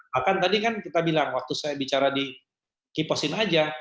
bahkan tadi kan kita bilang waktu saya bicara di kiposin aja